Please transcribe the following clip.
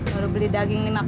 baru beli daging lima kilo aja